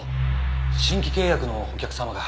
新規契約のお客様が。